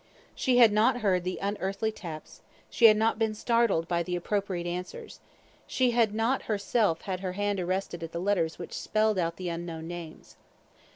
She had not heard the unearthly taps; she had not been startled by the appropriate answers; she had not herself had her hand arrested at the letters which spelled out the unknown names.